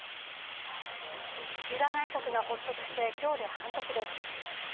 岸田内閣が発足して今日で半年です。